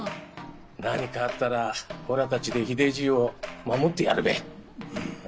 何かあったらおらたちで秀じいを守ってやるべ。